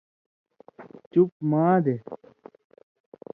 چُپ مادے